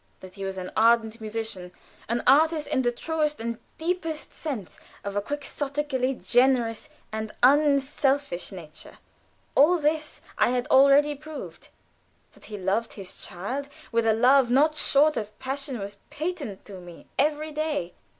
That he was an ardent musician, an artist in the truest and deepest sense, of a quixotically generous and unselfish nature all this I had already proved. That he loved his child with a love not short of passion was patent to me every day.